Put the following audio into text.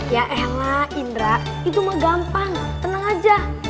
ya ella indra itu mah gampang tenang aja